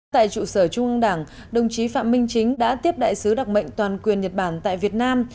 tại trụ sở trung ương đảng đồng chí phạm minh chính đã tiếp đại sứ đặc mệnh toàn quyền nhật bản tại việt nam